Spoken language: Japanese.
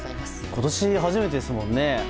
今年初めてですもんね。